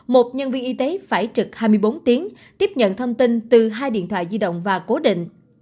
một nhân viên y tế phải trực hai mươi bốn tiếng tiếp nhận thông tin từ hai điện thoại di động và cố định